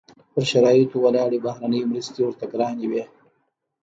پر شرایطو ولاړې بهرنۍ مرستې ورته ګرانې وې.